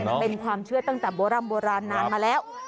เป็นความเชื่อตั้งแต่โบร่ำโบราณนานมาแล้ว